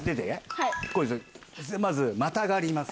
まずまたがります。